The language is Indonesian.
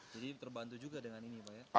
jadi terbantu juga dengan ini pak ya